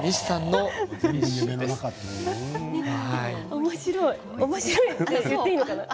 おもしろいおもしろいと言っていいのかな？